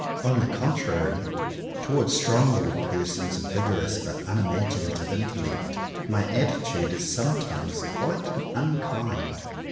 On the contrary, towards strong willed persons of vigorous but unimaginative intellect, my attitude is sometimes quite unkind.